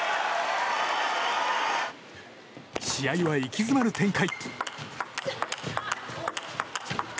試合は息詰まる展開。